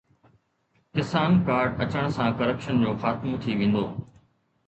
ڪسان card اچڻ سان corruption جو خاتمو ٿي ويندو